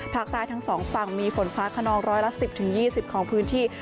ภาคใต้ทั้งสองฝั่งมีฝนฟ้าขนอง๑๑๐๒๐องศาคมของพื้นที่